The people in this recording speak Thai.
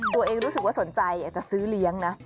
ตัวเองรู้สึกว่าสนใจอยากจะซื้อเลี้ยงนะ